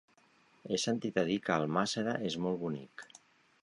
He sentit a dir que Almàssera és molt bonic.